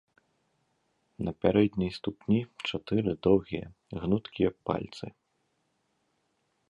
На пярэдняй ступні чатыры доўгія, гнуткія пальцы.